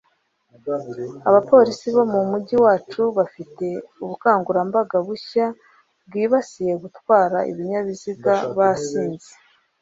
abapolisi bo mumujyi wacu bafite ubukangurambaga bushya bwibasiye gutwara ibinyabiziga basinze